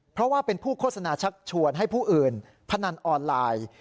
เพราะว่าเป็นผู้โฆษณาชักชวนให้ผู้อื่นพนันออนไลน์